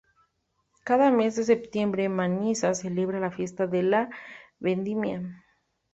Cada mes de septiembre, Manisa celebra la fiesta de la vendimia.